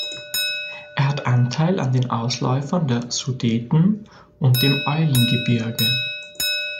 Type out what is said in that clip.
Er hat Anteil an den Ausläufern der Sudeten und dem Eulengebirge.